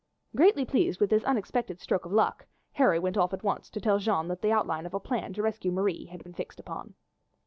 Greatly pleased with this unexpected stroke of luck, Harry went off at once to tell Jeanne that the outline of a plan to rescue Marie had been fixed upon.